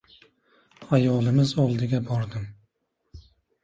Ayolimiz oldiga bordim.